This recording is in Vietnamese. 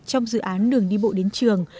trong dự án đường đi bộ đến trường